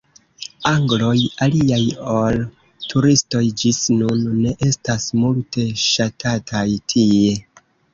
Angloj, aliaj ol turistoj, ĝis nun ne estas multe ŝatataj tie.